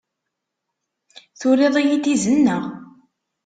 Turiḍ-iyi-d izen, naɣ?